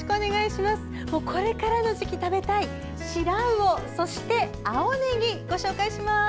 これからの時期食べたいシラウオ、そして青ねぎご紹介します。